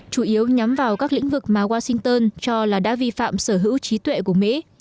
chủ yếu nhắm vào các lĩnh vực mà washington cho là đã vi phạm sở hữu trí tuệ của mỹ